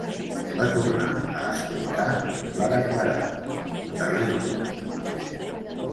Va tornar a escoltar i va declarar "Terrible!".